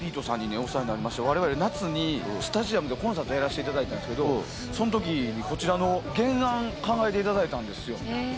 お世話になりましてわれわれ夏にスタジアムでコンサートやらせていただいたんですけどその時にこちらの原案考えていただいたんですよ。